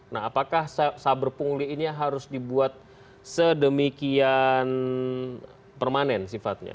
nah apakah saber pungli ini harus dibuat sedemikian permanen sifatnya